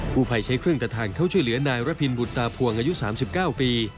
ผู้ภัยใช้เครื่องตัดทางเข้าช่วยเหลือนายระพินบุตตาพวงอายุ๓๙ปี